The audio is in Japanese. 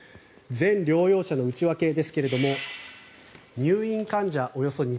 全療養者の内訳ですが入院患者、およそ２％